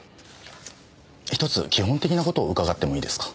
１つ基本的な事を伺ってもいいですか。